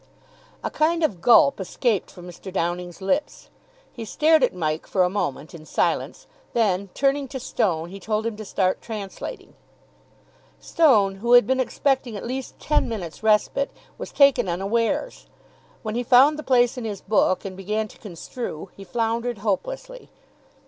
A kind of gulp escaped from Mr. Downing's lips. He stared at Mike for a moment in silence. Then, turning to Stone, he told him to start translating. Stone, who had been expecting at least ten minutes' respite, was taken unawares. When he found the place in his book and began to construe, he floundered hopelessly.